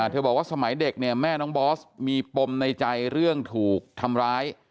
บอกว่าสมัยเด็กเนี่ยแม่น้องบอสมีปมในใจเรื่องถูกทำร้าย